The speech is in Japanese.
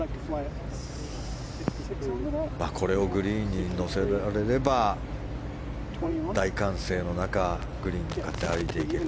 これをグリーンに乗せられれば大歓声の中グリーンに向かって歩いて行ける。